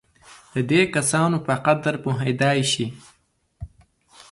د دې کسانو په قدر پوهېدای شي.